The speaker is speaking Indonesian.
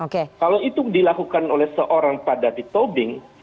kalau itu dilakukan oleh seorang pak david tobing